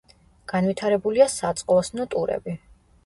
განვითარებულია საწყლოსნო ტურები.